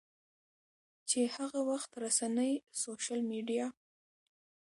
چې هغه وخت رسنۍ، سوشل میډیا